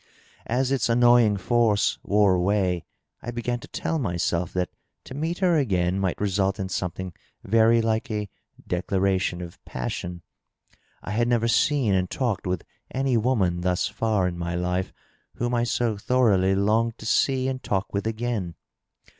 As its annoying force wore away, I b^an to tell myself that to meet her again might result in something very like a declaration of passion. I had never seen and talked with any woman thus far in my life whom I so thoroughly longed to see and talk with again.